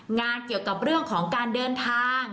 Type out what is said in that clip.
งานเกี่ยวกับเรื่องของการเดินทาง